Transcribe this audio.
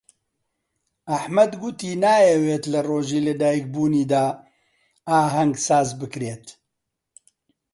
ئەحمەد گوتی نایەوێت لە ڕۆژی لەدایکبوونیدا ئاهەنگ ساز بکرێت.